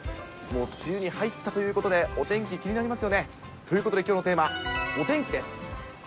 もう梅雨に入ったということで、お天気気になりますよね。ということできょうのテーマ、お天気です。